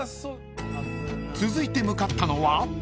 ［続いて向かったのは］